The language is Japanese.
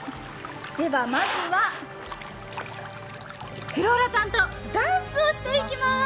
まずはフローラちゃんとダンスをしていきます。